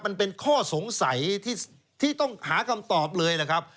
มันเป็นข้อสงสัยที่ต้องหาคำตอบเลยนะครับ